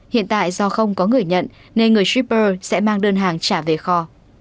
hiện tại do không có người nhận nên người shipper sẽ mang đơn hàng trả về kho